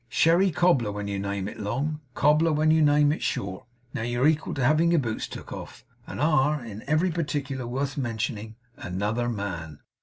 Sherry cobbler when you name it long; cobbler, when you name it short. Now you're equal to having your boots took off, and are, in every particular worth mentioning, another man.